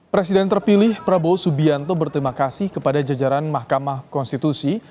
presiden terpilih prabowo subianto berterima kasih kepada jajaran mahkamah konstitusi